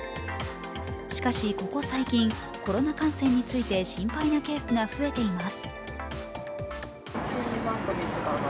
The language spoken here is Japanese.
しかし、ここ最近、コロナ感染について心配なケースが増えています。